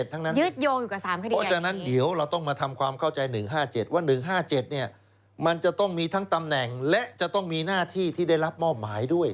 ๑๕๗ทั้งนั้นมีเพราะฉะนั้นเดี๋ยวเราต้องมาทำความเข้าใจ๑๕๗ว่า๑๕๗เนี่ยมันจะต้องมีทั้งตำแหน่งและจะต้องมีหน้าที่ที่ได้รับมอบหมายด้วย